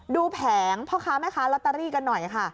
ดูแผงพ่อค้าแม่ค้าลอตเตอรี่กันน้อย